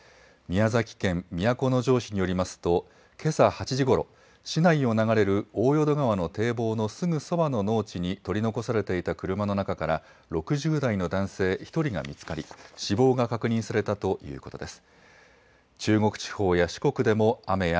宮崎県都城市によりますと、けさ８時ごろ、市内を流れる大淀川の堤防のすぐそばの農地に取り残されていた車の中から、６０代の男性１人が見つかり、死亡が確認されたということです。